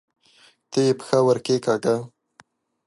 ته یې پښه ورکښېکاږه!